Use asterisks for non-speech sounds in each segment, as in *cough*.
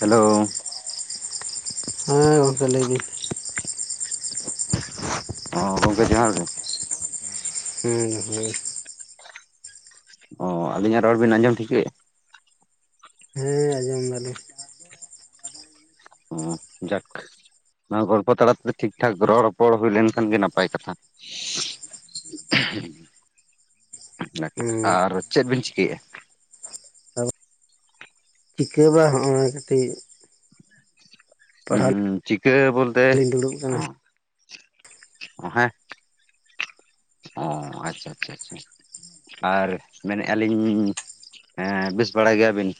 *inaudible* Hello ᱦᱮᱸ ᱜᱚᱝᱠᱮ ᱞᱟᱹᱭ ᱵᱤᱱ *inaudible* ᱦᱸ ᱜᱚᱝᱠᱮ ᱡᱚᱦᱟᱨ ᱜᱮ᱾ ᱦᱮᱸ ᱱᱟᱯᱟᱭ ᱜᱮ᱾ ᱚ ᱟᱹᱵᱧᱟᱜ ᱨᱚᱲ ᱵᱤᱱ ᱟᱸᱡᱚᱢ ᱴᱷᱤᱠᱟᱹᱭᱟ᱾ ᱦᱮᱸ ᱟᱸᱡᱚᱢ ᱫᱟᱞᱤ᱾ ᱡᱟᱠᱷ ᱱᱚᱣᱟ ᱜᱚᱞᱯᱚ ᱛᱟᱞᱟ ᱛᱮᱫᱚ ᱴᱷᱤᱠ ᱴᱷᱟᱠ ᱜᱨᱚ ᱨᱚᱯᱚᱲ ᱦᱩᱭ ᱞᱮᱱᱠᱷᱟᱱ ᱜᱮ ᱱᱟᱯᱟᱭ ᱠᱟᱛᱷᱟ᱾ ᱦᱮᱸ ᱟᱨ ᱪᱮᱫ ᱵᱤᱱ ᱪᱤᱠᱟᱹᱭᱮᱫᱼᱟ? ᱟᱫᱚ ᱪᱤᱠᱟᱹ ᱵᱟ ᱦᱚᱜᱼᱚᱭ ᱠᱟᱹᱴᱤᱡ᱾ ᱦᱩᱸ ᱯᱟᱲᱦᱟᱣ ᱪᱤᱠᱟᱹ ᱵᱚᱞᱛᱮ ᱞᱤᱧ ᱫᱩᱲᱩᱵ ᱠᱟᱱᱟ ᱚ ᱦᱮᱸ᱾ ᱚ ᱟᱪᱪᱷᱟ ᱟᱪᱪᱷᱟ ᱟᱪᱪᱷᱟ᱾ ᱟᱨ ᱢᱮᱱᱮᱫ ᱟᱞᱤᱧ ᱮᱸ ᱵᱮᱥ ᱵᱟᱲᱟ ᱜᱮᱭᱟᱵᱤᱱ᱾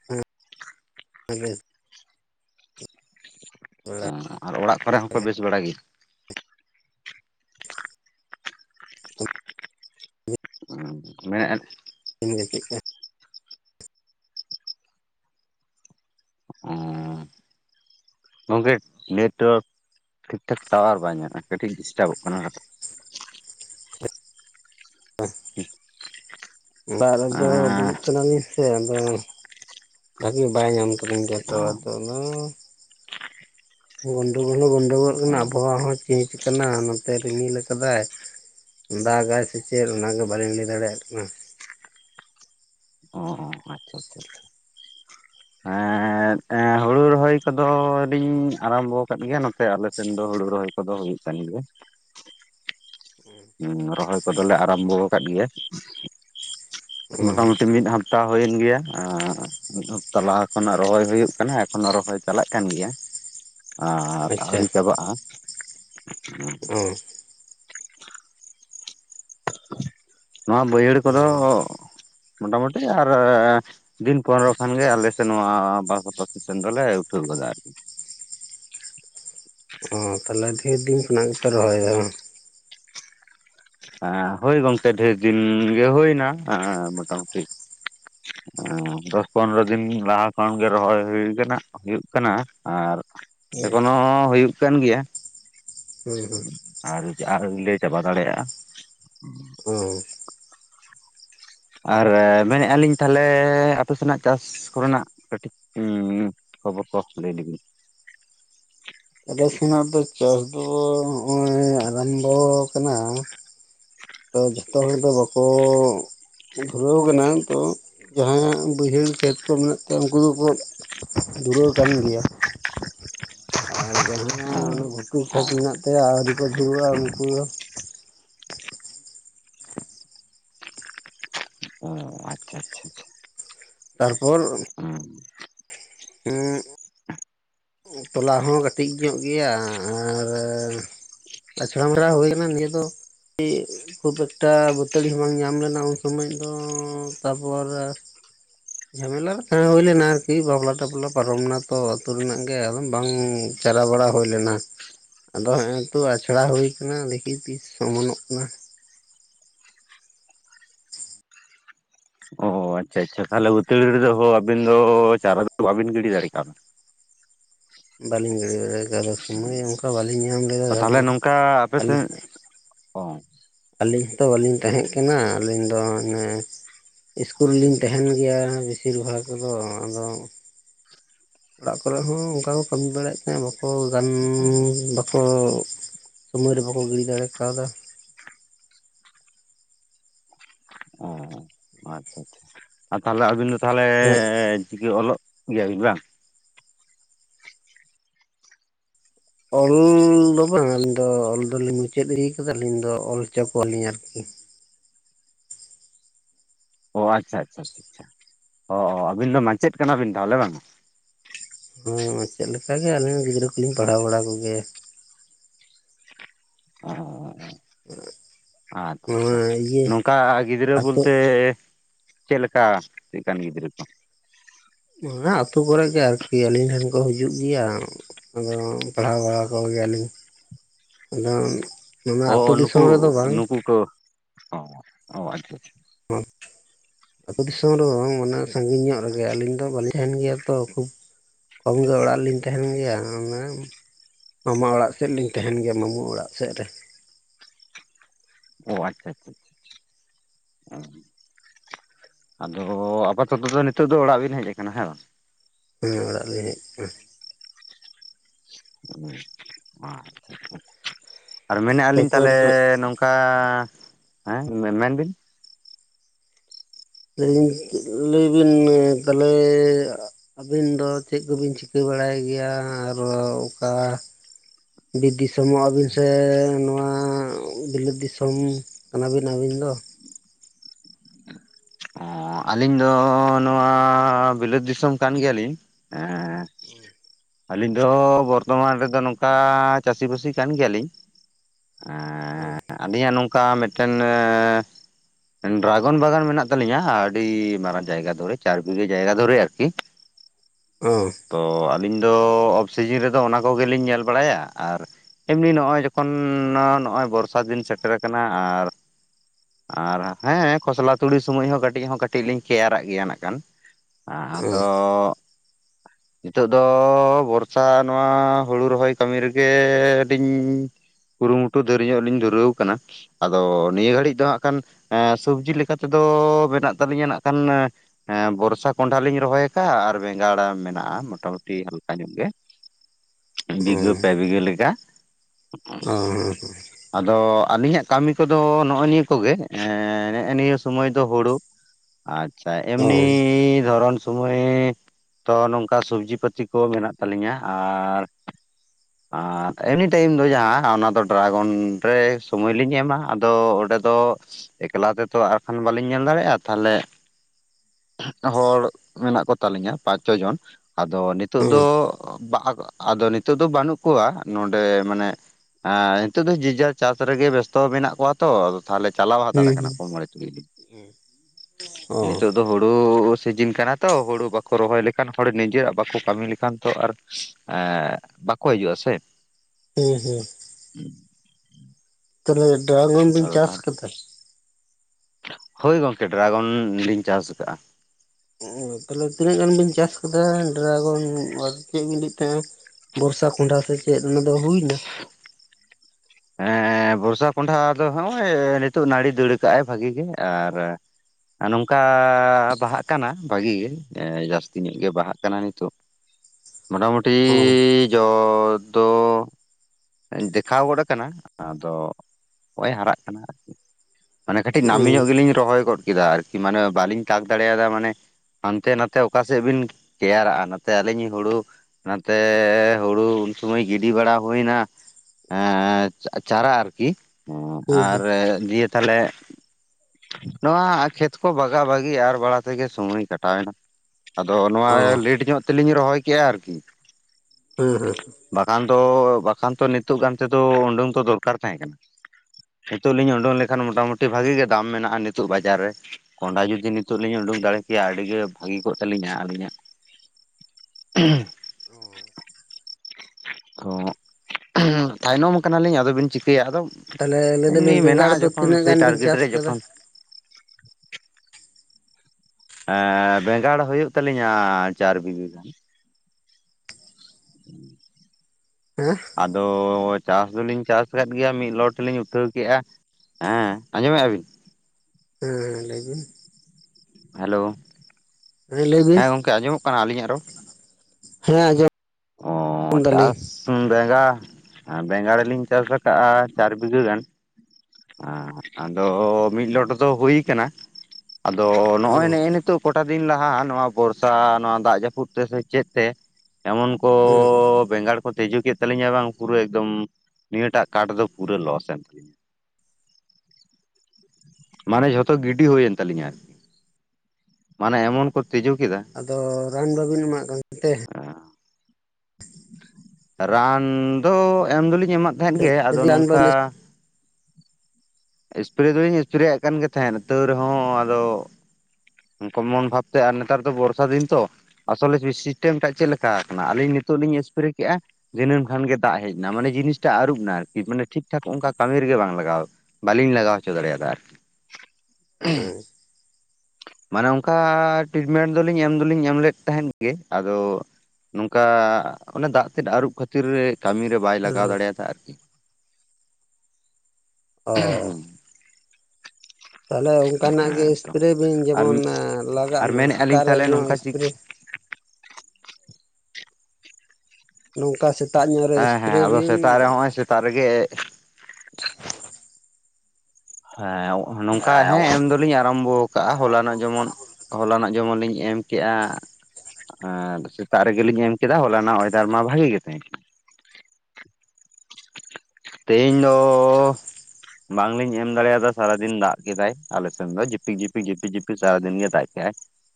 *unintelligible* *unintelligible* ᱟᱨ ᱚᱲᱟᱜ ᱠᱚᱨᱮ ᱦᱚᱸᱠᱚ ᱜᱮ ᱵᱮᱥ ᱵᱟᱲᱟ ᱜᱤ *unintelligible* *unintelligible* ᱚᱸᱻ ᱜᱚᱝᱠᱮ ᱱᱤᱱᱚᱜ ᱴᱷᱤᱠ ᱴᱷᱟᱠ ᱴᱟᱣᱟᱨ ᱵᱟᱭ ᱧᱟᱢᱚᱜᱼᱟ ᱠᱟᱹᱴᱤᱡ ᱰᱤᱥᱴᱟᱵᱚᱜ ᱠᱟᱱᱟ ᱦᱟᱸᱜ *unintelligible* ᱚᱲᱟᱜ ᱨᱮᱫᱚ ᱫᱩᱲᱩᱵ ᱠᱟᱱᱟᱞᱤᱧ ᱥᱮ ᱟᱫᱚ ᱵᱷᱟᱜᱤ ᱵᱟᱭ ᱧᱟᱢ *unintelligible* ᱮᱸ ᱚ ᱜᱮᱴᱟᱣᱟ ᱛᱚ ᱚᱱᱟ ᱜᱚᱱᱰᱩᱜᱚᱜ ᱦᱚᱞ ᱜᱚᱸᱰᱩᱜᱚᱜ ᱚ ᱠᱟᱱᱟ ᱟᱵᱚᱦᱟᱣᱟ ᱦᱚᱸ ᱪᱤᱡᱽ ᱟᱠᱟᱱᱟ ᱛᱮ ᱨᱤᱢᱤᱞ ᱟᱠᱟᱫᱟᱭ ᱫᱟᱜᱟᱭ ᱥᱮ ᱪᱮᱫ ᱚᱱᱟᱜᱮ ᱵᱟᱟᱹᱞᱤᱧ ᱞᱟᱹᱭ ᱫᱟᱲᱮᱭᱟᱜ ᱠᱟᱱᱟ ᱚᱸ ᱟᱪᱷᱟ ᱟᱪᱷᱟ ᱟᱷᱟ ᱮᱺᱻ ᱮᱸᱻ ᱦᱩᱲᱩ ᱨᱚᱦᱚᱭ ᱠᱚᱫᱚᱞᱤᱧ ᱟᱨᱟᱢᱵᱚ ᱟᱠᱟᱫ ᱜᱮᱭᱟ ᱱᱚᱛᱮ ᱟᱞᱮ ᱛᱮᱦᱮᱱ ᱫᱚ ᱦᱩᱲᱩ ᱨᱚᱦᱚᱭ ᱠᱚᱫᱚ ᱦᱩᱭᱩᱜ ᱠᱟᱱ ᱜᱮᱭᱟ ᱨᱚᱦᱚᱭ ᱠᱚᱫᱚᱞᱮ ᱟᱨᱟᱢᱵᱷᱚ ᱟᱠᱟᱫ ᱜᱮᱭᱟ ᱚ ᱢᱚᱴᱟᱢᱩᱴᱤ ᱢᱤᱫ ᱦᱟᱯᱛᱟ ᱦᱩᱭᱮᱱ ᱜᱮᱭᱟ, ᱟᱸᱻ ᱢᱤᱫ ᱛᱟᱞᱟᱦᱟ ᱠᱷᱚᱱᱟᱜ ᱨᱚᱦᱚᱭ ᱦᱩᱭᱩᱜ ᱠᱟᱱᱟ ᱮᱠᱷᱚᱱᱳ ᱨᱚᱦᱚᱭ ᱪᱟᱞᱟᱜ ᱠᱟᱱ ᱜᱮᱭᱟ ᱟᱨ ᱟᱪᱪᱷᱟ ᱟᱣᱨᱤ ᱪᱟᱵᱟᱜᱼᱟ ᱦᱩᱸ *unintelligible* ᱱᱚᱣᱟ ᱵᱟᱹᱭᱦᱟᱹᱲ ᱚ ᱠᱚᱫᱚ ᱢᱚᱴᱟᱢᱩᱴᱤ ᱟᱨ ᱫᱤᱱ ᱯᱚᱱᱨᱚ ᱠᱷᱚᱱᱜᱮ ᱟᱞᱮᱮᱥᱮᱫ ᱱᱚᱣᱟ ᱵᱟᱥᱟᱯᱟᱥ ᱥᱮᱱ ᱫᱚᱞᱮ ᱩᱴᱷᱟᱹᱣ ᱜᱟ ᱟᱨᱠᱤ ᱟ ᱛᱟᱦᱚᱞᱮ ᱰᱷᱮᱨ ᱫᱤᱱ ᱠᱷᱚᱱᱟᱜ ᱜᱮᱯᱮ ᱨᱚᱦᱚᱭᱮᱫ ᱮᱸ ᱦᱳᱭ ᱜᱚᱝᱠᱮ ᱰᱷᱮᱨ ᱫᱤᱱ ᱜᱮ ᱦᱩᱭᱱᱟ ᱮᱸ ᱢᱚᱴᱟᱢᱩᱴᱤ ᱫᱚᱥ ᱯᱚᱱᱨᱚ ᱫᱤᱱ ᱞᱟᱦᱟ ᱠᱷᱚᱱ ᱜᱮ ᱨᱚᱦᱚᱭ ᱦᱩᱭ ᱠᱟᱱᱟ ᱦᱩᱭᱩᱜ ᱠᱟᱱᱟ ᱟᱨ ᱮᱠᱷᱚᱱ ᱦᱚᱸ ᱦᱩᱭᱩᱜ ᱠᱟᱱ ᱜᱮᱭᱟ ᱦᱩᱸ ᱦᱩᱸ ᱟᱨᱚ ᱡᱮ ᱟᱨ ᱞᱟᱹᱭ ᱪᱟᱵᱟ ᱫᱟᱲᱮᱭᱟᱜᱼᱟ ᱦᱩᱸ ᱟᱨ ᱢᱮᱱᱮᱫ-ᱟ ᱞᱤᱧ ᱛᱟᱦᱚᱞᱮ ᱟᱯᱮ ᱥᱮᱱᱟᱜ ᱪᱟᱥ ᱚᱯᱤᱥ ᱠᱚᱨᱮᱱᱟᱜ ᱠᱟᱹᱴᱤᱡ ᱩᱸ ᱠᱷᱚᱵᱚᱨ ᱠᱚ ᱞᱟᱹᱭ ᱞᱮᱵᱤᱱ ᱟᱞᱮ ᱥᱮᱱᱟᱜ ᱫᱚ ᱪᱟᱥ ᱫᱚ ᱦᱚᱸᱜ-ᱚᱭ ᱟᱨᱟᱢᱵᱷᱚ ᱟᱠᱟᱱᱟ ᱛᱚ ᱡᱷᱚᱛᱚ ᱦᱚᱲ ᱫᱚ ᱵᱟᱠᱚ ᱫᱷᱩᱨᱟᱹᱣ ᱟᱠᱟᱱᱟ ᱛᱚ ᱡᱟᱦᱟᱸᱭᱟᱜ ᱵᱟᱹᱭᱦᱟᱹᱲ ᱠᱷᱮᱛ ᱠᱚ ᱢᱮᱱᱟᱜ ᱛᱟᱭᱟ ᱩᱱᱠᱩ ᱫᱚᱠᱚ ᱫᱷᱩᱨᱟᱹᱣ ᱠᱟᱱ ᱜᱮᱭᱟ ᱟᱨ ᱡᱟᱦᱟᱸ ᱚᱱᱟ ᱵᱷᱩᱴ ᱠᱷᱚᱠ ᱢᱮᱱᱟᱜ ᱛᱟᱭᱟ ᱟᱹᱣᱨᱤ ᱠᱚ *unintelligible* ᱩᱱᱠᱩ ᱫᱚ? ᱚ ᱟᱪᱪᱷᱟ ᱟᱪᱪᱷᱟ ᱟᱪᱪᱷᱟ ᱛᱟᱨᱯᱚᱨ ᱦᱩᱸ ᱦᱩ ᱛᱚᱞᱟ ᱦᱚᱸ ᱠᱟᱹᱴᱤᱡ ᱧᱚᱜ ᱜᱮᱭᱟ ᱟᱨ ᱟᱪᱷᱟᱲᱟᱢᱲᱟ ᱦᱩᱭᱱᱟ ᱱᱤᱭᱟᱹ ᱫᱚ *inaudible* ᱠᱩ ᱯᱮᱠᱴᱟᱨ ᱵᱟᱹᱛᱟᱹᱲᱤ ᱵᱟᱝ ᱧᱟᱢ ᱞᱮᱱᱟ ᱩᱱ ᱥᱚᱢᱚᱭ ᱫᱚ ᱛᱟᱯᱚᱨ ᱡᱷᱟᱢᱮᱞᱟ ᱨᱮ ᱛᱟᱦᱮᱸ ᱦᱩᱭ ᱞᱮᱱᱟ ᱟᱨᱠᱤ ᱵᱟᱯᱞᱟ ᱴᱟᱯᱞᱟ ᱯᱟᱨᱚᱢ ᱱᱟ ᱛᱚ ᱟ ᱟᱹᱛᱩ ᱨᱮᱱᱟᱜ ᱜᱮ ᱟᱫᱚᱢ ᱵᱟᱝ ᱪᱟᱞᱟᱣ ᱵᱟᱲᱟ ᱦᱩᱭ ᱞᱮᱱᱟ ᱟᱫᱚ ᱦᱮᱸ ᱮ ᱛᱚ ᱟᱪᱲᱟ ᱦᱩ ᱟᱠᱟᱱᱟ ᱫᱮᱠᱷᱤ ᱛᱤᱥ ᱚᱢᱚᱱᱚᱜ ᱠᱟᱱᱟ ᱚ ᱟᱪᱪᱷᱟ ᱟᱪᱪᱷᱟ ᱛᱟᱦᱚᱞᱮ ᱦᱩᱛᱲ ᱨᱮ ᱟᱵᱤᱱ ᱫᱚ ᱪᱟᱨᱟ ᱫᱚ ᱵᱟᱵᱤᱱ ᱜᱤᱰᱤ ᱫᱟᱲᱮ ᱠᱟᱣᱫᱟ ᱵᱟᱹᱞᱤᱧ ᱜᱤᱲᱤ ᱫᱟᱲᱮᱠᱟᱣᱫᱟ ᱥᱚᱢᱚᱭ ᱚᱱᱠᱟ ᱵᱟᱹᱞᱤᱧ ᱧᱟᱢ ᱞᱮᱫᱟ ᱛᱟᱦᱚᱞᱮ ᱛᱟᱯᱚᱨ ᱱᱚᱝᱠᱟ ᱟᱯᱮ ᱥᱮᱫ ᱟᱹᱞᱤᱧ ᱚ ᱟᱹᱞᱤᱧ ᱛᱚ ᱵᱟᱞᱤᱧ ᱛᱟᱦᱮᱸ ᱠᱟᱱᱟ ᱟᱹᱞᱤᱧ ᱫᱚ ᱚᱱᱮ ᱤᱥᱠᱩᱞ ᱨᱮᱞᱤᱧ ᱛᱟᱦᱮᱱ ᱜᱮᱭᱟ ᱵᱮᱥᱤᱨ ᱵᱷᱟᱜᱽ ᱫᱚ ᱟᱫᱚ ᱚᱲᱟᱜ ᱠᱚᱨᱮᱜ ᱦᱚᱸ ᱚᱱᱠᱟ ᱠᱚ ᱠᱟᱹᱢᱤ ᱵᱟᱲᱮᱫ ᱛᱟᱦᱮᱸ ᱵᱟᱠᱚ ᱜᱟᱱ ᱵᱟᱠᱚ ᱥᱳᱢᱳᱭ ᱨᱮ ᱵᱟᱠᱚ ᱜᱤᱰᱤ ᱫᱟᱲᱮ ᱠᱟᱣᱫᱟ ᱚ ᱟᱪᱪᱷᱟ ᱟᱪᱪᱷᱟ ᱟᱨ ᱛᱟᱦᱚᱞᱮ ᱟᱵᱤᱱ ᱫᱚ ᱛᱟᱦᱚᱞᱮ ᱦᱮᱸ ᱪᱤᱠᱟᱹ ᱚᱞᱚᱜ ᱜᱮᱭᱟᱵᱤᱱ ᱵᱟᱝ ᱚᱞ ᱫᱚ ᱵᱟᱝ ᱟᱹᱞᱤᱧ ᱫᱚ ᱚᱞ ᱫᱚᱞᱤᱧ ᱢᱩᱪᱟᱹᱫ ᱤᱫᱤ ᱠᱟᱫᱟ ᱟᱹᱞᱤᱧ ᱫᱚ ᱚᱞ ᱦᱚᱪᱚ ᱠᱚᱣᱟᱞᱤᱧ ᱟᱨᱠᱤ ᱚ ᱟᱪᱪᱷᱟ ᱟᱪᱪᱷᱟ ᱚ ᱟᱹᱵᱤᱱ ᱫᱚ ᱢᱟᱪᱮᱫ ᱠᱟᱱᱟᱵᱤᱱ ᱛᱟᱦᱚᱞᱮ ᱵᱟᱝᱼᱟ ᱦᱮᱭ ᱪᱮᱫᱞᱠᱟᱜᱮ ᱟᱹᱞᱤᱧ ᱨᱮᱱ ᱜᱤᱫᱽᱨᱟᱹ ᱠᱚᱞᱤᱧ ᱯᱟᱲᱦᱟᱣ ᱵᱟᱲᱟ ᱠᱚᱜᱮᱭᱟ ᱚ ᱟᱪᱪᱷᱟ ᱟᱪᱪᱷᱟ ᱱᱚᱣᱟ ᱤᱭᱟᱹ ᱱᱚᱝᱠᱟ ᱜᱤᱫᱽᱨᱟᱹ ᱟᱛᱳ ᱵᱚᱞᱛᱮ ᱪᱮᱫ ᱞᱮᱠᱟ ᱠᱟᱱ ᱜᱤᱫᱽᱨᱟᱹ ᱠᱚ ᱱᱚᱣᱟ ᱟᱛᱩ ᱠᱚᱨᱮᱜ ᱜᱮ ᱟᱨᱠᱤ ᱟᱹᱞᱤᱧ ᱴᱷᱮᱱ ᱠᱚ ᱦᱤᱡᱩᱜ ᱜᱮᱭᱟ ᱟᱫᱚ ᱯᱟᱲᱦᱟᱣ ᱵᱟᱲᱟ ᱠᱚᱜᱮᱭᱟᱞᱤᱧ ᱟᱫᱚ ᱚᱱᱟ ᱚ ᱟᱹᱛᱩ ᱱᱩᱠᱩ ᱫᱤᱥᱚᱢ ᱨᱮᱫᱚ ᱵᱟᱝ ᱱᱩᱠᱩ ᱠᱚ ᱚ ᱚ ᱟᱪᱪᱷᱟ ᱟᱪᱪᱷᱟ ᱦᱩ *unintelligible* ᱟᱛᱩ ᱫᱤᱥᱚᱢ ᱨᱮᱦᱚᱸ ᱢᱟᱱᱮ ᱥᱟᱺᱜᱤᱧ ᱧᱚᱜ ᱨᱮᱜᱮ ᱟᱞᱤᱧ ᱫᱚ ᱵᱟᱹᱞᱤᱧ ᱛᱟᱦᱮᱱ ᱜᱮᱭᱟ ᱛᱚ ᱠᱷᱩᱵᱽ ᱠᱚᱢ ᱜᱮ ᱚᱲᱟᱜ ᱨᱮ ᱞᱤᱧ ᱛᱟᱦᱮᱱ ᱜᱮᱭᱟ ᱚᱱᱟ ᱢᱟᱢᱟ ᱚᱲᱟᱜ ᱥᱮᱫ ᱞᱤᱧ ᱛᱟᱦᱮᱱ ᱜᱮᱭᱟ ᱢᱟᱢᱩ ᱚᱲᱟᱜ ᱥᱮᱫ ᱨᱮ ᱚ ᱟᱪᱪᱷᱟ ᱟᱪᱪᱷᱟ ᱟᱫᱚ ᱟᱯᱟᱛᱚᱛᱚ ᱫᱚ ᱱᱤᱛᱳᱜ ᱫᱚ ᱚᱲᱟᱜ ᱵᱮᱤᱱ ᱦᱮᱡ ᱠᱟᱱᱟ ᱦᱮᱸ ᱵᱟᱝ ᱦᱮᱸ ᱚᱲᱟᱜ ᱞᱮ ᱦᱮᱡ ᱠᱟᱱᱟ᱾ *inaudible* ᱟᱨ ᱢᱮᱱᱮᱫᱼᱟ ᱞᱤᱧ ᱛᱟᱯᱚᱨ ᱛᱟᱦᱚᱞᱮ ᱱᱚᱝ ᱚᱱᱠᱟ ᱦᱮᱸ ᱢᱮᱱᱵᱤᱱ *inaudible* ᱞᱟᱹᱭᱵᱤᱱ ᱛᱟᱦᱚᱞᱮ ᱟᱜ ᱟᱹᱵᱤᱱ ᱫᱚ ᱪᱮᱫ ᱠᱚᱵᱤᱱ ᱪᱤᱠᱟᱹ ᱵᱟᱲᱟᱭ ᱜᱮᱭᱟ ᱟᱨᱚ ᱚᱠᱟ ᱵᱤᱨ ᱫᱤᱥᱚᱢᱚᱜ ᱟᱵᱤᱱ ᱥᱮ ᱱᱚᱣᱟ ᱵᱤᱞᱟᱹᱛ ᱫᱤᱥᱚᱢ ᱠᱟᱱᱟᱵᱤᱱ ᱟᱹᱵᱤᱱ ᱫᱚ? ᱚ ᱟᱹᱞᱤᱧ ᱫᱚ ᱱᱚᱣᱟ ᱵᱤᱞᱟᱹᱛ ᱫᱤᱥᱚᱢ ᱠᱟᱱ ᱜᱮᱭᱟᱞᱤᱧ ᱦᱮᱸ ᱦᱩᱸ *unintelligible* ᱟᱹᱞᱤᱧ ᱫᱚ ᱵᱚᱨᱫᱷᱚᱢᱟᱱ ᱨᱮᱫᱚ ᱱᱚᱝᱠᱟ ᱪᱟᱹᱥᱤᱵᱟᱹᱥᱤ ᱠᱟᱱ ᱜᱮᱭᱟᱞᱤᱧ ᱚ ᱟᱹᱞᱤᱧᱟᱜ ᱱᱚᱝᱠᱟ ᱢᱤᱫᱴᱮᱱ ᱰᱨᱟᱜᱚᱱ ᱵᱟᱜᱟᱱ ᱢᱮᱱᱟᱜ ᱟᱞᱤᱧᱟ ᱟᱹᱰᱤ ᱢᱟᱨᱟᱝ ᱡᱟᱭᱜᱟ ᱫᱷᱚᱨᱮ ᱪᱟᱨ ᱵᱤᱜᱷᱟᱹ ᱡᱟᱭᱜᱟ ᱫᱷᱚᱨᱮ ᱟᱨᱠᱤ ᱚ ᱛᱚ ᱟᱹᱞᱤᱧ ᱫᱚ ᱚᱯ ᱥᱤᱡᱤᱱ ᱨᱮᱫᱚ ᱚᱱᱟ ᱠᱚᱜᱮᱞᱤᱧ ᱧᱮᱞ ᱵᱟᱲᱟᱭᱟ ᱟᱨ ᱮᱢᱱᱤ ᱱᱚᱜᱼᱚᱭ ᱡᱚᱠᱷᱚᱱ ᱱᱚᱜᱼᱚᱭ ᱵᱚᱨᱥᱟ ᱫᱤᱱ ᱥᱮᱴᱨᱟ ᱠᱟᱱᱟ ᱟᱨ ᱟᱨ ᱦᱮᱸ ᱠᱷᱚᱥᱞᱟ ᱛᱩᱲᱤ ᱥᱚᱢᱚᱭ ᱦᱚᱸ ᱠᱟᱹᱴᱤᱡ ᱦᱚᱸ ᱠᱟᱹᱴᱤᱡ ᱞᱤᱧ ᱠᱮᱭᱟᱨᱟᱜ ᱜᱮᱭᱟ ᱱᱟᱜ ᱠᱷᱟᱱ ᱟᱫᱚᱜ ᱱᱤᱛᱚᱜ ᱫᱚ ᱵᱚᱨᱥᱟ ᱱᱚᱣᱟ ᱦᱩᱲᱩ ᱨᱚᱦᱚᱭ ᱠᱟᱹᱢᱤ ᱨᱮᱜᱮ ᱟᱹᱰᱤᱧ ᱠᱩᱨᱩᱢᱩᱴᱩ ᱫᱷᱟᱹᱨᱤ ᱧᱚᱜ ᱞᱤᱧ ᱫᱷᱩᱨᱟᱹᱣ ᱠᱟᱱᱟ ᱟᱫᱚ ᱱᱤᱭᱟᱹ ᱜᱷᱟᱹᱲᱤᱡ ᱫᱚ ᱦᱟᱸᱜ ᱠᱷᱟᱱ ᱥᱚᱵᱡᱤ ᱞᱮᱠᱟᱛᱮᱫ ᱫᱚ ᱢᱮᱱᱟᱜ ᱛᱟᱹᱞᱤᱧᱟ ᱱᱟᱜ ᱠᱷᱟᱱ ᱦᱮᱸ ᱵᱚᱨᱥᱟ ᱠᱚᱸᱰᱷᱟ ᱞᱤᱧ ᱨᱚᱦᱚᱭ ᱟᱠᱟᱫᱼᱟ ᱟᱨ ᱵᱮᱸᱜᱟᱲ ᱢᱮᱱᱟᱜᱼᱟ ᱢᱚᱴᱟᱢᱩᱴᱤ ᱦᱟᱞᱠᱟ ᱧᱚᱜ ᱜᱮ᱾ ᱵᱤᱜᱷᱟᱹ ᱚ ᱯᱮ ᱵᱤᱜᱷᱟᱹ ᱞᱮᱠᱟ ᱦᱩᱠ ᱩᱸ᱾ ᱚᱻᱚ ᱟᱫᱚ ᱟᱹᱞᱤᱧᱟᱜ ᱠᱟᱹᱢᱤ ᱠᱚᱫᱚ ᱱᱚᱜᱼᱚᱭ ᱱᱤᱭᱟᱹ ᱠᱚᱜᱮ ᱱᱮᱜᱼᱮ ᱱᱤᱭᱟᱹ ᱥᱚᱢᱚᱭ ᱫᱚ ᱦᱩᱲᱩ, ᱟᱪᱪᱷᱟ ᱮᱢᱱᱤ ᱚ ᱫᱷᱚᱨᱚᱱ ᱥᱚᱢᱚᱭ ᱛᱚ ᱱᱚᱝᱠᱟ ᱥᱚᱵᱡᱤ ᱯᱟᱹᱛᱤ ᱠᱚ ᱢᱮᱱᱟᱜ ᱛᱟᱞᱤᱧᱟ, ᱟᱨ ᱟᱨ ᱮᱱᱤ ᱴᱟᱭᱤᱢ ᱫᱚ ᱡᱟᱦᱟᱸ ᱚᱱᱟ ᱫᱚ ᱰᱨᱟᱜᱚᱱ ᱨᱮ ᱥᱚᱢᱚᱭ ᱞᱤᱧ ᱮᱢᱟ ᱟᱫᱚ ᱚᱸᱰᱮᱫ ᱫᱚ ᱮᱠᱞᱟ ᱛᱮᱛᱚ ᱟᱠᱷᱟᱱ ᱵᱟᱹᱞᱤᱧ ᱧᱮᱞ ᱫᱟᱲᱮᱭᱟᱜᱼᱟ ᱛᱟᱦᱚᱞᱮ ᱦᱚᱲ ᱢᱮᱱᱟᱜ ᱠᱚᱛᱟ ᱞᱤᱧᱟ ᱯᱟᱸᱪᱼ ᱪᱷᱚ ᱡᱚᱱ ᱟᱫᱚ ᱱᱤᱛᱳᱜ ᱚ ᱫᱚ ᱚ ᱵᱟᱠ ᱟᱫᱚ ᱱᱤᱛᱚᱜ ᱫᱚ ᱵᱟᱹᱱᱩᱜ ᱠᱚᱣᱟ ᱱᱚᱰᱮ ᱢᱟᱱᱮ ᱦᱮᱸ ᱱᱤᱛᱳᱜ ᱫᱚ ᱡᱡᱟ ᱪᱟᱥ ᱨᱮᱜᱮ ᱵᱮᱥᱛᱚ ᱢᱮᱱᱟᱜ ᱠᱚᱣᱟ ᱛᱚ, ᱛᱟᱦᱞᱮ ᱪᱟᱞᱟᱣ ᱦᱟᱛᱟᱲ ᱦᱩᱸ ᱠᱟᱱᱟ ᱠᱚ ᱢᱚᱬᱮ ᱛᱲᱩᱭ ᱫᱤᱱ, ᱦᱩᱸ ᱚ ᱱᱤᱛᱚᱜ ᱦᱩᱲᱩ ᱥᱤᱡᱤᱱ ᱠᱟᱱᱟ ᱛᱚ ᱦᱩᱲᱩ ᱵᱟᱠᱚ ᱨᱚᱦᱚᱭ ᱞᱮᱠᱷᱟᱱ ᱦᱚᱲ ᱱᱤᱡᱮᱨᱟᱜ ᱵᱟᱠᱚ ᱠᱟᱹᱢᱤ ᱞᱮᱠᱷᱟᱱ ᱛᱚ ᱟᱨ ᱮᱸ ᱵᱟᱠᱚ ᱦᱤᱡᱩᱜᱼᱟ ᱥᱮ ᱦᱩᱸ ᱦᱩᱸ *unintelligible* ᱛᱟᱦᱚᱞᱮ ᱰᱨᱟᱜᱚᱱ ᱵᱤᱱ ᱟᱫᱚ ᱛᱟᱦᱚᱞᱮ ᱪᱟᱥ ᱠᱟᱫᱟ? ᱦᱳᱭ ᱜᱚᱝᱠᱮ ᱰᱨᱟᱜᱚᱱ ᱞᱤᱧ ᱪᱟᱥ ᱟᱠᱟᱫᱼᱟ᱾ ᱩᱸ ᱛᱟᱦᱚᱞᱮ ᱛᱤᱱᱟᱹᱜ ᱜᱟᱱ ᱵᱮᱤᱱ ᱪᱟᱥ ᱟᱠᱟᱫᱟ ᱰᱨᱟᱜᱚᱱ ᱟᱨ ᱪᱮᱫ ᱵᱤᱱ ᱞᱟᱹᱭᱮᱫ ᱛᱟᱦᱮᱸ? ᱵᱚᱨᱥᱟ ᱠᱚᱸᱰᱷᱟ ᱥᱮ ᱪᱮᱫ ᱚᱱᱟ ᱫᱚ ᱦᱩᱭᱱᱟ? ᱦᱮᱸ ᱵᱚᱨᱥᱟ ᱠᱚᱱᱰᱷᱟ ᱫᱚ ᱱᱚᱜᱼᱚᱭ ᱱᱤᱛᱚᱜᱜ ᱱᱟᱹᱲᱤ ᱫᱟᱹᱲ ᱠᱟᱜᱼᱟᱭ ᱵᱷᱟᱜᱤ ᱜᱮ ᱟᱨ ᱱᱚᱝᱠᱟ ᱵᱟᱦᱟᱜ ᱠᱟᱱᱟ ᱵᱷᱟᱜᱤ ᱜᱮ ᱡᱟᱹᱥᱛᱤ ᱧᱚᱜ ᱜᱮ ᱵᱟᱦᱟᱜ ᱠᱟᱱᱟ ᱱᱤᱛᱚᱜ᱾ ᱢᱚᱴᱟᱢᱩᱴᱤ ᱚ ᱡᱚ ᱫᱚ ᱫᱮᱠᱷᱟᱣ ᱜᱚᱫ ᱟᱠᱟᱱᱟ ᱟᱫᱚ ᱱᱚᱜᱚᱭ ᱦᱟᱨᱟᱜ ᱠᱟᱱᱟ ᱟᱨᱠᱤ᱾ ᱢᱟᱱᱮ ᱠᱟᱹᱴᱤᱡ ᱱᱟᱹᱢᱤ ᱦᱩᱸ ᱧᱚᱜ ᱜᱮᱞᱤᱧ ᱨᱚᱦᱚᱭ ᱜᱚᱫ ᱠᱮᱫᱟ, ᱟᱨᱠᱤ ᱢᱟᱱᱮ ᱵᱟᱞᱤᱧ ᱛᱟᱜᱠ ᱫᱟᱲᱮᱭᱟᱫᱟ ᱢᱟᱱᱮ ᱦᱟᱱᱛᱮ ᱱᱟᱛᱮ ᱚᱠᱟ ᱥᱮᱫ ᱵᱤᱱ ᱠᱮᱭᱟᱨᱟᱜᱼᱟ ᱱᱟᱛᱮ ᱟᱹᱞᱤᱧ ᱦᱩᱲᱩ ᱚᱱᱟᱛᱮ ᱦᱩᱲᱩ ᱩᱱ ᱥᱩᱢᱚᱭ ᱜᱤᱰᱤ ᱵᱟᱲᱟ ᱦᱩᱭᱱᱟ᱾ ᱮᱸ ᱪᱟ ᱪᱟᱨᱟ ᱟᱨᱠᱤ ᱦᱩᱸ ᱟᱨ ᱦᱩᱸ ᱫᱤᱭᱮ ᱛᱟᱦᱞᱮ ᱱᱚᱶᱟ ᱠᱷᱮᱛ ᱠᱚ ᱵᱟᱜᱟᱼ ᱵᱷᱟᱹᱜᱤ ᱟᱨ ᱵᱟᱲᱟ ᱛᱮᱜᱮ ᱥᱚᱢᱚᱭ ᱠᱟᱴᱟᱣᱮ ᱮᱱᱟ ᱟᱫᱚ ᱱᱚᱶᱟ ᱚ ᱞᱮᱴ ᱧᱚᱜ ᱛᱮᱞᱤᱧ ᱨᱚᱦᱚᱭ ᱠᱮᱫᱮᱜᱼᱟ ᱟᱨᱠᱤ ᱦᱩᱸ ᱦᱩᱸ ᱵᱟᱠᱷᱟᱱ ᱫᱚ ᱵᱟᱠᱷᱟᱱ ᱛᱚ ᱱᱤᱛᱚᱜ ᱜᱟᱱ ᱛᱮᱫᱚ ᱩᱰᱩᱝ ᱛᱚ ᱫᱚᱨᱠᱟᱨ ᱛᱟᱦᱮᱸ ᱠᱟᱱᱟ ᱱᱤᱛᱚᱜ ᱞᱤᱧ ᱩᱰᱩᱝ ᱞᱮᱠᱷᱟᱱ ᱢᱚᱴᱟᱢᱩᱴᱤ ᱵᱷᱟᱜᱤ ᱜᱮ ᱫᱟᱢ ᱢᱮᱱᱟᱜᱼᱟ ᱱᱤᱛᱚᱜ ᱵᱟᱡᱟᱨ ᱨᱮ ᱠᱚᱸᱰᱷᱟ ᱡᱩᱫᱤ ᱱᱤᱛᱚᱜ ᱞᱤᱧ ᱩᱰᱩᱠ ᱫᱟᱲᱮ ᱠᱮᱭᱟ ᱟᱹᱰᱤᱜ ᱜᱮ ᱵᱷᱟᱹᱜᱤ ᱠᱚᱜ ᱛᱟᱹᱞᱤᱧᱟ ᱟᱹᱞᱤᱧᱟᱜ *inaudible* *unintelligible* ᱛᱟᱭᱱᱚᱢ ᱟᱠᱟᱱᱟ ᱞᱤᱧ ᱟᱫᱚ ᱵᱤᱱ ᱪᱤᱠᱟᱹᱭᱟ ᱟᱫᱚ? ᱛᱟᱦᱚᱞᱮ ᱞᱟᱹᱭ ᱮᱢᱱᱤ ᱫᱟᱞᱤᱧ ᱵᱮᱸᱜᱟᱲ ᱢᱮᱱᱟᱜᱼᱟ ᱫᱚ ᱡᱚᱠᱷᱚᱱ ᱛᱤᱱᱟᱹᱜ ᱥᱮᱭ ᱜᱟᱱ ᱵᱤᱱ ᱴᱟᱨᱜᱮᱴ ᱪᱟᱥ ᱨᱮ ᱠᱟᱫᱟ ᱡᱚᱠᱷᱚᱱ ᱮᱸ ᱵᱮᱸᱜᱟᱲ ᱦᱩᱭᱩᱜ ᱛᱟᱹᱞᱤᱧᱟ ᱪᱟᱨ ᱵᱤᱜᱷᱟᱹ ᱜᱟᱱ᱾ *unintelligible* ᱦᱮᱸᱜ ᱟᱫᱚ ᱪᱟᱥ ᱫᱚᱞᱤᱧ ᱪᱟᱥ ᱠᱟᱫ ᱜᱮᱭᱟ ᱢᱤᱫ ᱞᱚᱴ ᱞᱤᱧ ᱩᱴᱷᱟᱹᱣ ᱠᱮᱫᱮᱜᱼᱟ᱾ ᱦᱮᱸ ᱟᱸᱡᱚᱢᱮᱫᱼᱟ ᱵᱤᱱ? ᱞᱟᱹᱭᱵᱤᱱ ᱦᱮᱞᱳ ᱞᱟᱹᱭ ᱵᱤᱱ ᱦᱮᱸ ᱜᱚᱢᱠᱮ ᱟᱸᱡᱚᱢᱚᱜ ᱠᱟᱱᱟ ᱟᱹᱞᱤᱧᱟᱜ ᱨᱚᱲ? ᱦᱮᱸ ᱚᱢᱚᱢ ᱚᱻ ᱪᱟᱥ ᱮᱭ ᱵᱮᱸᱜᱟ ᱵᱮᱸᱜᱟᱬ ᱞᱤᱧ ᱪᱟᱥ ᱟᱠᱟᱫᱼᱟ ᱪᱟᱨ ᱵᱤᱜᱷᱟᱹ ᱜᱟᱱ ᱟᱫᱚ ᱢᱤᱫ ᱞᱚᱴᱚ ᱫᱚ ᱦᱩᱭᱩ ᱠᱟᱱᱟ ᱟᱫᱚ ᱚ ᱱᱚᱜᱼᱚᱭ ᱱᱮᱜᱼᱮ ᱱᱤ ᱠᱚᱴᱟ ᱫᱤᱱ ᱞᱟᱦᱟ ᱱᱚᱶᱟ ᱵᱚᱨᱥᱟ ᱱᱚᱶᱟ ᱫᱟᱜ ᱡᱟᱹᱯᱩᱫ ᱛᱮ ᱥᱮ ᱪᱮᱫ ᱛᱮ ᱮᱢᱚᱱ ᱠᱚᱻᱻ ᱦᱮᱸ ᱦᱮᱸ ᱵᱮᱸᱜᱟᱬ ᱠᱚ ᱠᱚ ᱛᱤᱡᱩ ᱠᱮᱫ ᱛᱟᱹᱞᱤᱧᱟ ᱵᱟᱝ ᱯᱩᱨᱟᱹ ᱮᱠᱫᱚᱢ ᱱᱤᱭᱟᱹᱴᱟᱜ ᱠᱟᱟᱨᱴ ᱫᱚ ᱯᱩᱨᱟᱹ ᱞᱚᱥ ᱮᱱ ᱢᱟᱱᱮ ᱡᱷᱚᱛᱚ ᱜᱤᱰᱤ ᱦᱩᱭᱮᱱ ᱛᱟᱞᱤᱧᱟ ᱟᱨᱠᱤ ᱢᱟᱱᱮ ᱮᱢᱚᱱ ᱠᱚ ᱛᱤᱡᱩ ᱠᱮᱫᱟ ᱟᱫᱚ ᱨᱟᱱ ᱵᱟᱵᱤᱱ ᱮᱢᱟᱜ ᱠᱟᱱ ᱛᱮ? *unintelligible* ᱨᱟᱱᱻ ᱫᱚ ᱮᱢ ᱫᱚᱞᱤᱧ ᱮᱢᱟᱜ ᱛᱟᱦᱮᱸᱫ ᱜᱮ ᱟᱫᱚ ᱨᱟᱱ ᱱᱚᱝᱠᱟ ᱵᱟᱹᱵᱤᱱ ᱮᱯᱨᱮ ᱫᱚᱧ ᱮᱯᱨᱮᱭᱟᱜ ᱠᱟᱱ ᱜᱮ ᱛᱟᱦᱮᱸᱫ ᱱᱤᱛᱟᱹᱣ ᱨᱮᱦᱚᱸ ᱟᱫᱚ ᱠᱚᱢᱚᱱ ᱵᱷᱟᱵᱛᱮ ᱟᱨ ᱱᱮᱛᱟᱨ ᱫᱚ ᱵᱚᱨᱥᱟ ᱫᱤᱱ ᱛᱚ ᱟᱥᱚᱞᱮ ᱥᱤᱥᱴᱮᱢ ᱴᱟᱜ ᱪᱮᱫ ᱞᱮᱠᱟ ᱠᱟᱱᱟ ᱟᱹᱞᱤᱧ ᱱᱤᱛᱚᱜ ᱞᱤᱧ ᱥᱯᱨᱮ ᱠᱮᱜᱼᱟ ᱫᱤᱱᱟᱹᱢ ᱠᱷᱟᱱ ᱜᱮ ᱫᱟᱜ ᱦᱮᱡ ᱱᱟ ᱢᱟᱱᱮ ᱡᱤᱱᱤᱥᱴᱟ ᱟᱹᱨᱩᱵ ᱱᱟ ᱟᱨᱠᱤ ᱢᱟᱱᱮ ᱴᱷᱤᱠ ᱴᱷᱟᱠ ᱚᱱᱠᱟ ᱠᱟᱹᱢᱤ ᱨᱮᱜᱮ ᱵᱟᱝ ᱞᱟᱜᱟᱣ ᱵᱟᱹᱞᱤᱧ ᱞᱟᱜᱟᱣ ᱦᱚᱪᱚ ᱫᱟᱲᱮ ᱭᱟᱫᱟ ᱟᱨᱠᱤ *unintelligible* ᱢᱟᱱᱮ ᱚᱱᱠᱟ ᱴᱤᱴᱢᱮᱱᱴ ᱫᱚᱞᱤᱧ ᱮᱢ ᱫᱚᱞᱤᱧ ᱮᱢ ᱞᱮᱫ ᱛᱟᱦᱮᱸᱫ ᱜᱮ ᱟᱫᱚ ᱱᱚᱝᱠᱟ ᱚᱱᱮ ᱫᱟᱜ ᱛᱮᱫ ᱟᱹᱨᱩᱵ ᱠᱷᱟᱹᱛᱤᱨ ᱠᱟᱹᱢᱤᱨᱮ ᱵᱟᱭ ᱞᱟᱜᱟᱣ ᱫᱟᱲᱮᱭᱟᱛ ᱟᱨᱠᱤ ᱳᱻ ᱦᱮᱸ ᱛᱟᱦᱚᱞᱮ ᱚᱱᱠᱟᱱᱟᱜ ᱜᱮ ᱛᱚ ᱮᱥᱯᱨᱮ ᱵᱤᱱ ᱟᱨ ᱡᱮᱢᱚᱱ ᱞᱟᱜᱟᱜ ᱟᱨ ᱢᱟ ᱢᱮᱱᱮᱫᱼᱟ ᱞᱤᱧ ᱥᱮᱛᱟᱜ ᱨᱮ ᱛᱟᱦᱚᱞᱮ ᱱᱚᱝᱠᱟ ᱪᱤᱠ ᱤᱥᱯᱨᱮ ᱱᱚᱝᱠᱟ ᱥᱮᱛᱟᱜ ᱧᱚᱜ ᱨᱮ ᱦᱮᱸ ᱦᱮᱸ ᱮᱥᱯᱨᱮ ᱟᱫᱚ ᱵᱤᱱ ᱥᱮᱛᱟᱜ ᱨᱮ ᱦᱚᱸᱜᱼᱚᱭ ᱥᱮᱛᱟᱜ ᱨᱮᱜᱮ ᱦᱮᱸ ᱱᱚᱝᱠᱟ ᱦᱮᱸ ᱮᱢᱫᱚᱞᱤᱧ ᱟᱨᱟᱢᱵᱚ ᱠᱟᱜᱼᱟ ᱦᱚᱞᱟᱱᱚᱜ ᱡᱮᱢᱚᱱ ᱦᱚᱞᱱᱟᱜ ᱡᱮᱢᱚᱱ ᱞᱤᱧ ᱮᱢ ᱠᱮᱜᱼᱟ ᱟᱨ ᱥᱮᱛᱟᱜ ᱨᱮᱜᱮᱞᱤᱧ ᱮᱢ ᱠᱮᱫᱟ ᱦᱚᱞᱟ ᱨᱮᱱᱟᱜ ᱚᱭᱰᱟᱨ ᱢᱟ ᱵᱷᱟᱜᱤ ᱜᱮ ᱛᱟᱦᱮᱸ ᱠᱟᱱᱟ ᱛᱮᱦᱤᱧ ᱫᱚ ᱵᱟᱝ ᱞᱤᱧ ᱮᱢ ᱫᱟᱲᱮ ᱭᱟᱫᱟ ᱥᱟᱨᱟ ᱫᱤᱱ ᱫᱟᱜ ᱠᱮᱫᱟᱭ ᱟᱞᱮᱥᱱ ᱫᱚ ᱡᱤᱯᱤᱠ ᱡᱤᱯᱤᱠ ᱡᱤᱯᱤᱠ ᱡᱤᱯᱤᱠ ᱥᱟᱨᱟᱫᱤᱱ ᱜᱮ ᱫᱟᱜ ᱠᱮᱫ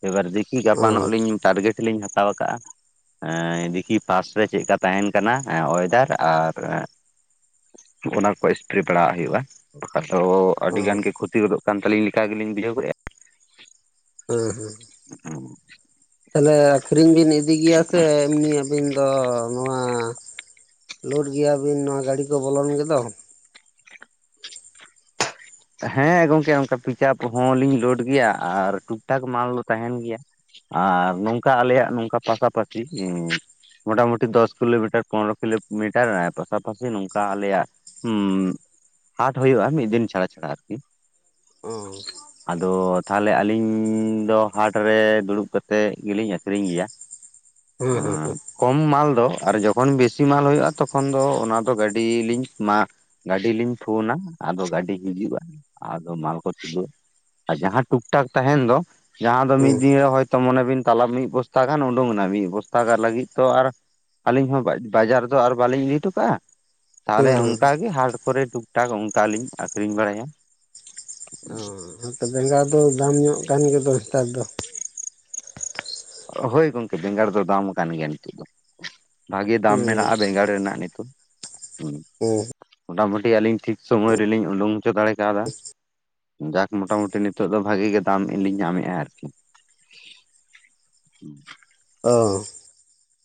ᱮᱵᱟᱨ ᱫᱤᱠᱤ ᱚ ᱜᱟᱯᱟᱱᱚᱜ ᱞᱤᱧ ᱴᱟᱨᱜᱮᱴ ᱞᱤᱧ ᱦᱟᱛᱟᱣ ᱠᱟᱜᱼᱟ ᱫᱤᱠᱤ ᱯᱷᱟᱥᱴ ᱨᱮ ᱪᱮᱫ ᱞᱮᱠᱟ ᱛᱟᱦᱮᱱ ᱠᱟᱱᱟ ᱚᱭᱮᱫᱟᱨ? ᱟᱨ ᱚᱱᱟ ᱠᱚ ᱮᱥᱯᱮᱨᱮ ᱵᱟᱲᱟᱜ ᱦᱩᱭᱩᱜᱼᱟ ᱵᱟᱠᱟᱱ ᱫᱚ ᱚ ᱟᱹᱰᱤ ᱜᱟᱱ ᱜᱮ ᱠᱷᱚ *unintelligible* ᱠᱟᱱ ᱛᱟᱹᱞᱤᱧ ᱞᱮᱠᱟ ᱜᱮᱞᱤᱧ ᱵᱩᱡᱷᱟᱹᱣ ᱠᱮᱫᱼᱟ ᱦᱮᱸ ᱦᱩᱸ ᱛᱟᱦᱞᱮ ᱟᱹᱠᱷᱨᱤᱧ ᱵᱤᱱ ᱤᱫᱤ ᱜᱮᱭᱟ ᱥᱮ ᱮᱢᱱᱤ ᱟᱵᱤᱱ ᱫᱚ ᱱᱚᱶᱟ ᱞᱳᱰ ᱜᱮᱭᱟᱵᱤᱱ ᱱᱚᱣᱟ ᱜᱟᱹᱰᱤ ᱠᱚ ᱵᱚᱞᱚᱱ ᱜᱮᱫᱚ ᱦᱮᱸ ᱜᱚᱝᱠᱮ ᱚᱱᱠᱟ ᱯᱤᱠᱟᱯ ᱦᱚᱸᱞᱤᱧ ᱞᱳᱰ ᱜᱮᱭᱟ ᱟᱨ ᱴᱩᱠ ᱴᱷᱟᱠ ᱢᱟᱞ ᱫᱚ ᱛᱟᱦᱮᱱ ᱜᱮᱭᱟ ᱟᱨ ᱱᱚᱝᱠᱟ ᱟᱞᱮᱭᱟᱜ ᱱᱚᱝᱠᱟ ᱯᱟᱥᱟᱯᱟᱥᱤ ᱢᱚᱴᱟᱢᱩᱴᱤ ᱫᱚᱥ ᱠᱤᱞᱳᱢᱤᱴᱟᱨ ᱯᱚᱨᱱᱚ ᱠᱤᱞᱳᱢᱤᱴᱟᱨ ᱯᱟᱥᱟᱯᱟᱥᱤ ᱱᱚᱝᱠᱟ ᱟᱞᱮᱭᱟᱜ ᱦᱩᱸ ᱦᱟᱴ ᱦᱩᱭᱩᱜᱼᱟ ᱢᱤᱫ ᱫᱤᱱ ᱪᱷᱟᱲᱟ ᱪᱷᱟᱲᱟ ᱟᱨᱠᱤ *inaudible* ᱟᱫᱚ ᱛᱟᱦᱚᱞᱮ ᱟᱹᱞᱤᱧ ᱫᱚ ᱦᱟᱴᱨᱮ ᱫᱩᱲᱩᱵ ᱠᱟᱛᱮᱫ ᱜᱮᱞᱤᱧ ᱟᱠᱷᱨᱤᱧ ᱜᱮᱭᱟ ᱦᱮᱸ ᱦᱮᱸ *unintelligible* ᱠᱚᱢ ᱢᱟᱞ ᱫᱚ ᱟᱨ ᱡᱚᱠᱷᱚᱱ ᱵᱮᱥᱤ ᱢᱟᱞ ᱦᱳᱭᱳᱜᱼᱟ ᱛᱚᱠᱷᱚᱱ ᱫᱚ ᱚᱱᱟ ᱫᱚ ᱜᱟᱹᱰᱤᱞᱤᱧ ᱢᱟ ᱜᱟᱹᱰᱤ ᱞᱤᱧ ᱯᱷᱳᱱᱟ ᱟᱫᱚ ᱜᱟᱹᱰᱤ ᱦᱤᱡᱩᱜᱼᱟ ᱟᱫᱚ ᱢᱟᱞ ᱠᱚ ᱛᱩᱫᱟᱹᱜᱼᱟ ᱟᱨ ᱡᱟᱦᱟᱸ ᱴᱩᱠ ᱴᱟᱠ ᱛᱟᱦᱮᱱ ᱫᱚ ᱡᱟᱦᱟᱸ ᱫᱚ ᱢᱤᱫ ᱦᱮᱸ ᱫᱤᱱ ᱨᱮ ᱦᱚᱭᱛ ᱢᱚᱱᱮ ᱵᱤᱱ ᱛᱟᱞᱟᱵ ᱢᱤᱫ ᱵᱚᱥᱛᱟ ᱜᱟᱱ ᱩᱰᱩᱠᱮᱱᱟ ᱢᱤᱫ ᱵᱚᱥᱛᱟ ᱜ ᱞᱟᱹᱜᱤᱫ ᱛᱚ ᱟᱨ ᱟᱹᱞᱤᱧ ᱦᱚᱸ ᱵᱟᱡᱟᱨ ᱫᱚ ᱟᱨ ᱵᱟᱹᱞᱤᱧ ᱤᱫᱤ ᱦᱚᱴᱚ ᱠᱟᱜᱼᱟ ᱛᱟᱦᱚᱞᱮ ᱦᱮᱸ ᱚᱱᱠᱟᱜᱮ ᱦᱟᱴ ᱠᱚᱨᱮ ᱴᱩᱠᱼ ᱴᱟᱠ ᱚᱱᱠᱟᱞᱤᱧ ᱟᱠᱷᱨᱤᱧ ᱵᱟᱲᱟᱭᱟ ᱦᱚ ᱛᱚᱵᱮᱸᱜᱟᱲ ᱫᱚ ᱫᱟᱢ ᱧᱚᱜ ᱠᱟᱱ ᱜᱮᱫᱚ ᱱᱮᱛᱟᱨ ᱫᱚ ᱦᱳᱭ ᱜᱚᱝᱠᱮ ᱵᱮᱸᱜᱟᱲ ᱫᱚ ᱫᱟᱢ ᱠᱟᱱ ᱜᱮᱭᱟ ᱱᱤᱛᱚᱜ ᱫᱚ ᱵᱷᱟᱜᱤ ᱫᱟᱢ ᱦᱩᱸ ᱢᱮᱱᱟᱜᱼᱟ ᱵᱮᱸᱜᱟᱲ ᱨᱮᱱᱟᱜ ᱱᱤᱛᱳᱜ *inaudible* ᱢᱚᱴᱟᱢᱩᱴᱤ ᱟᱹᱞᱤᱧ ᱴᱷᱤᱠ ᱥᱚᱢᱚᱭ ᱨᱮᱞᱤᱧ ᱩᱰᱩᱝ ᱦᱚᱪᱚ ᱫᱟᱲᱮ ᱠᱟᱣᱫᱟ ᱡᱟᱠ ᱢᱚᱴᱟ ᱢᱩᱴᱤ ᱱᱤᱛᱚᱜ ᱫᱚ ᱵᱷᱟᱜᱤ ᱜᱮ ᱫᱟᱢ ᱞᱤᱧ ᱧᱟᱢᱮᱫᱼᱟ ᱟᱨᱠᱤ *inaudible* ᱚ